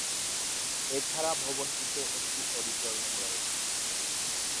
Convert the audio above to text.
এছাড়া ভবনটিতে একটি অডিটোরিয়াম রয়েছে।